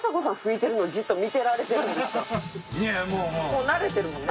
もう慣れてるもんね。